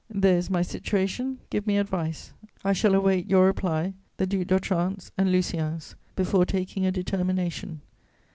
There is my situation: give me advice. I shall await your reply, the Duc d'Otrante's and Lucien's, before taking a determination.